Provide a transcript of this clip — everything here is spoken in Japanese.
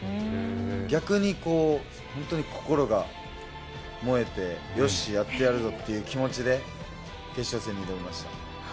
逆に心が燃えてよし、やってやるぞという気持ちで決勝戦に挑みました。